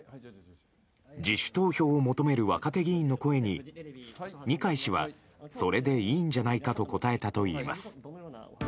自主投票を求める若手議員の声に二階氏はそれでいいんじゃないかと答えたといいます。